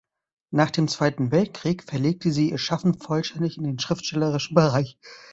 Nach dem Zweiten Weltkrieg verlegte sie ihr Schaffen vollständig in den schriftstellerischen Bereich.